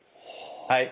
はい。